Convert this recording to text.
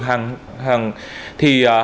thì hãng hàng tiêu dùng thiết yếu